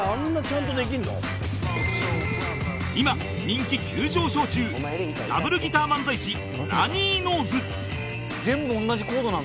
今人気急上昇中ダブルギター漫才師ラニーノーズ全部同じコードなの？